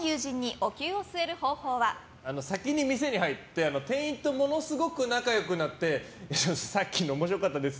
先に店に入って店員とものすごく仲良くなってさっきの面白かったです。